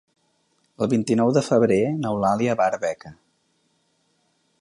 El vint-i-nou de febrer n'Eulàlia va a Arbeca.